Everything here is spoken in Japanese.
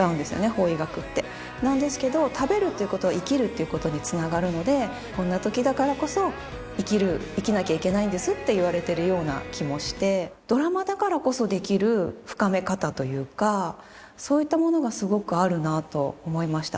法医学ってなんですけど食べるっていうことは生きるっていうことにつながるのでこんな時だからこそ生きなきゃいけないんですって言われているような気もしてドラマだからこそできる深め方というかそういったものがすごくあるなと思いました